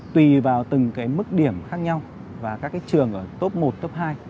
tùy vào từng mức điểm khác nhau và các trường ở top một top hai